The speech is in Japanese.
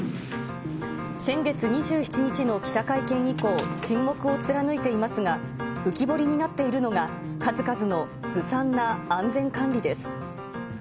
先月２７日の記者会見以降、沈黙を貫いていますが、浮き彫りになっているのが、数々のずさんな安全管理です。